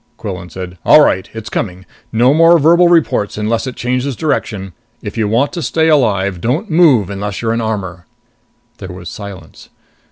Quillan said, "All right. It's coming. No more verbal reports unless it changes direction. If you want to stay alive, don't move unless you're in armor." There was silence.